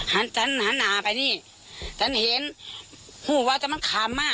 หันฉันหันหนาไปนี่ฉันเห็นหู้ว่าจะมันคำมา